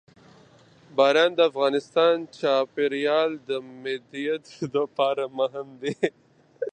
باران د افغانستان د چاپیریال د مدیریت لپاره مهم دي.